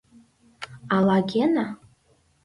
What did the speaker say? — Ала Гена?